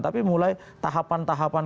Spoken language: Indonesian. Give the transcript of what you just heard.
tapi mulai tahapan tahapan